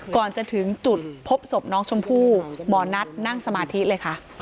ก่อนจะถึงจุดพบศพน้องชมพู่หมอนัทนั่งสมาธิเลยค่ะ